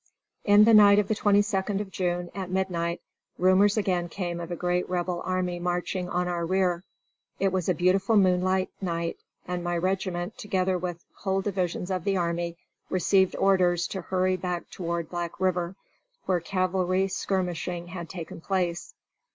In the night of the 22d of June, at midnight, rumors again came of a great Rebel army marching on our rear. It was a beautiful moonlight night, and my regiment, together with whole divisions of the army, received orders to hurry back toward Black River, where cavalry skirmishing had taken place.